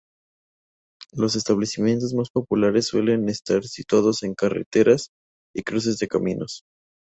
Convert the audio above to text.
Los establecimientos más populares suelen estar situados en carreteras y cruces de caminos.